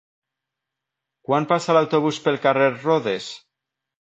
Quan passa l'autobús pel carrer Rodes?